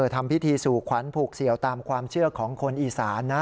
ทำพิธีสู่ขวัญผูกเสี่ยวตามความเชื่อของคนอีสานนะ